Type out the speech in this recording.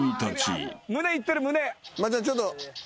松ちゃんちょっと。